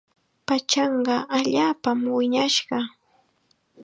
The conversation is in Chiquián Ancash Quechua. Pachanqa allaapam wiñashqa.